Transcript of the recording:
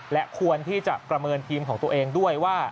และควรที่จะประเมินทีมของตัวเองด้วยว่า